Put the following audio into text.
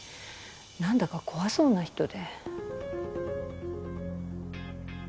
何だか怖そうな人で。